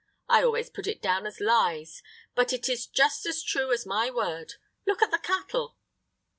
I always put it down as lies, but it is just as true as my word. Look at the cattle."